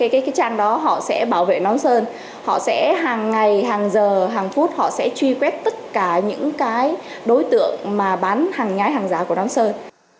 cái trang đó họ sẽ bảo vệ nón sơn họ sẽ hàng ngày hàng giờ hàng phút họ sẽ truy quét tất cả những đối tượng mà bán hàng nhái hàng giả của nó sơn